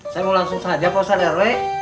saya mau langsung saja pak ustadz rw